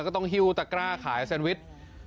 ต้องหิ้วตะกร้าขายแซนวิช